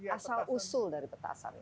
asal usul dari petasan